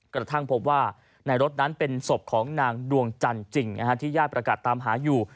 กระทั่งพบว่าในรถนั้นเป็นศพของนางดวงจันทร์จริงที่ญาติประกาศตามหาอยู่